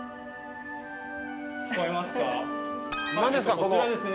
こちらですね